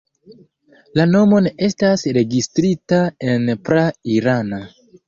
La nomo ne estas registrita en pra-irana.